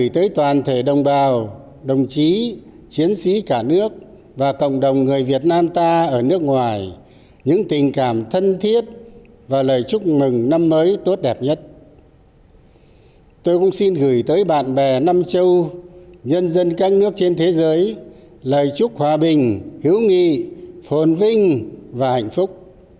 thưa đồng bào đồng chí và chiến sĩ cả nước đồng bào việt nam ở nước ngoài chúc nhân dân và bầu bạn khắp nam châu một năm mới hòa bình hữu nghị phồn vinh và hạnh phúc